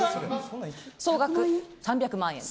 総額３００万円。